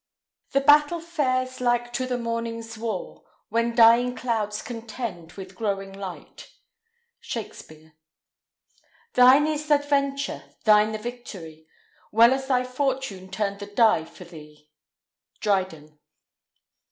The battle fares like to the morning's war, When dying clouds contend with growing light. Shakspere. Thine is th' adventure, thine the victory; Well has thy fortune turned the die for thee. Dryden.